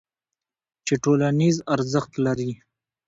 چې ټولنیز ارزښت لري.